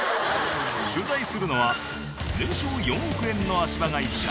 取材するのは年商４億円の足場会社ＲＥＬＩＥＦ。